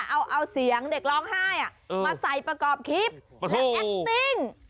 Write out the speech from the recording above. เอาเสียงเด็กร้องไห้มาใส่ประกอบคลิปและแอคติ้ง